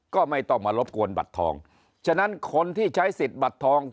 ก็ไม่ต้องมารบกวนบัตรทองฉะนั้นคนที่ใช้สิทธิ์บัตรทอง